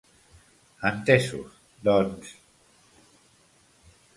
Entesos, doncs...